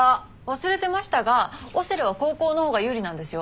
忘れてましたがオセロは後攻のほうが有利なんですよ。